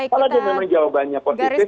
kalau dia memang jawabannya konsisten